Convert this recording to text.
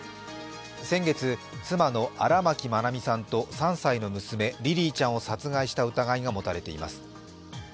先月、妻の荒牧愛美さんと３歳の娘、リリィちゃんを殺害した疑いが持たれています。